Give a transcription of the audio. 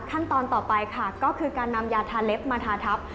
ขั้นตอนต่อไปค่ะก็คือการนำยาทาเล็บมาทาทับ